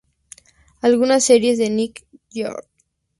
Algunas series de Nick Jr.